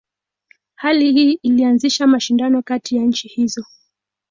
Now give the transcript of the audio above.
Hali hii ilianzisha mashindano kati ya nchi hizo.